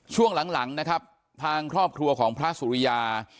ช่วงหลังนะครับทางครอบครัวของพระสุริยา